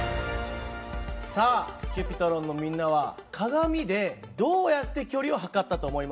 さあＣｕｐｉｔｒｏｎのみんなは鏡でどうやって距離を測ったと思いますか？